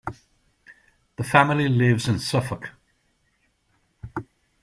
The family lives in Suffolk.